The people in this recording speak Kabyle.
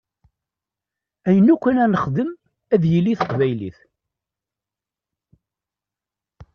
Ayen akk ara nexdem ad yili i teqbaylit.